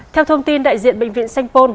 theo thông tin đại diện bệnh viện sanh pôn